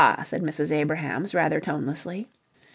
said Mrs. Abrahams, rather tonelessly.